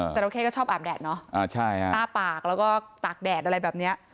จราเข้ก็ชอบอาบแดดเนอะอ้าปากแล้วก็ตากแดดอะไรแบบนี้